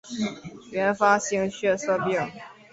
原发性血色病